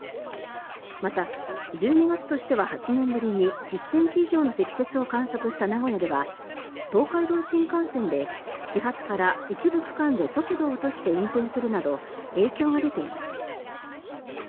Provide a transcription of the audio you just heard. また、１２月としては８年ぶりに１０ｃｍ以上の積雪を観測した名古屋では東海道新幹線で始発から一部区間で速度を落として運転するなど影響が出ています。